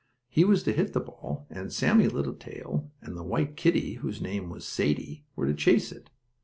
He was to hit the ball and Sammie Littletail and the white kittie, whose name was Sadie, were to chase it.